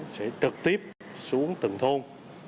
sẽ trực tiếp xuống từng thôn